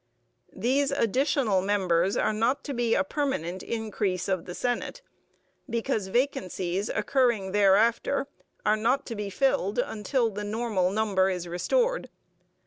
These additional members are not to be a permanent increase of the Senate, because vacancies occurring thereafter are not to be filled until the normal number is restored.